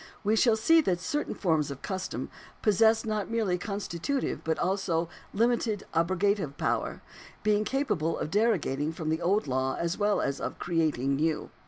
We shall see that certain forms of custom possess not merely constitutive, but also limited abrogative power, being capable of derogating from the old law, as well as of creating new.